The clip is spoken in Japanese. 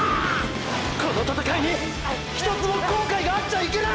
この闘いにひとつも後悔があっちゃいけない！！